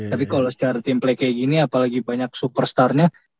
tapi kalau secara team play kayak gini apalagi banyak superstar nya